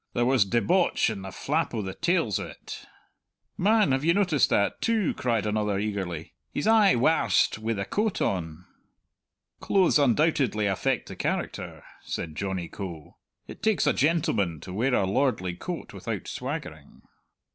"There was debauch in the flap o' the tails o't." "Man, have you noticed that too!" cried another eagerly. "He's aye warst wi' the coat on!" "Clothes undoubtedly affect the character," said Johnny Coe. "It takes a gentleman to wear a lordly coat without swaggering."